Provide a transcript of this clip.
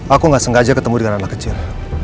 aku nggak sengaja ketemu dengan anak kecil